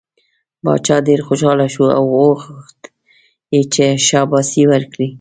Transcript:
باچا ډېر خوشحاله شو او وغوښت یې چې شاباسی ورکړي.